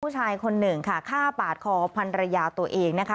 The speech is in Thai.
ผู้ชายคนหนึ่งค่ะฆ่าปาดคอพันรยาตัวเองนะคะ